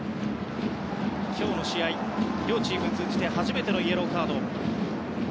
今日の試合、両チーム通じて初めてのイエローカード。